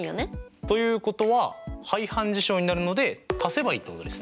ということは排反事象になるので足せばいいってことですね。